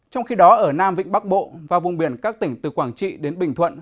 trong khi đó ở nam vịnh bắc bộ và vùng biển các tỉnh từ quảng trị đến bình thuận